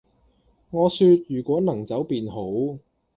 我說......如果能走便好，